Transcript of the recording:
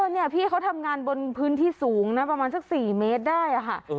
นี่พี่เขาทำงานบนพื้นที่สูงนะประมาณสัก๔เมตรได้ค่ะ